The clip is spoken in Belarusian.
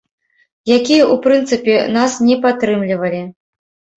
Якія, у прынцыпе, нас не падтрымлівалі.